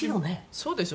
そうでしょうね。